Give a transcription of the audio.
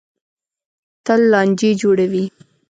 تل لانجې جوړوي.